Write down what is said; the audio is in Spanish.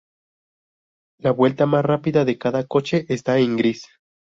La vuelta más rápida de cada coche esta en gris.